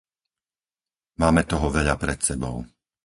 Máme toho veľa pred sebou.